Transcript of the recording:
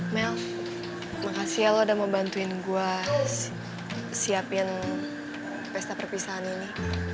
mel makasih ya lo udah mau bantuin gue siapin pesta perpisahan ini